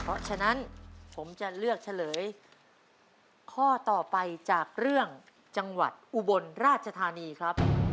ก็แหละผมจะเลือกแน้นข้อต่อไปจากเรื่องจังหวัดอุบลราชธารณีครับ